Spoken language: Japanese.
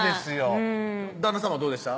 旦那さまはどうでした？